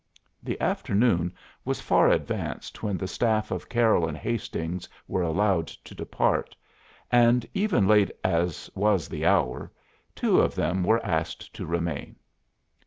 The afternoon was far advanced when the staff of Carroll and Hastings were allowed to depart, and, even late as was the hour, two of them were asked to remain.